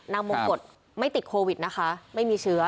มงกฎไม่ติดโควิดนะคะไม่มีเชื้อ